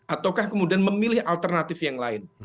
ataukah kemudian memilih alternatif yang lain